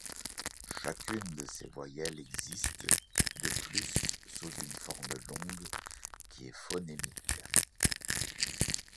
Chacune de ces voyelles existe, de plus, sous une forme longue qui est phonémique.